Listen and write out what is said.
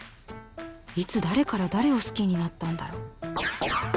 いつ誰から誰を好きになったんだろう？